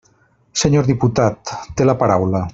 Senyor diputat, té la paraula.